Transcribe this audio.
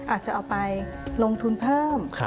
อาจจะเอาไปลงทุนเพิ่ม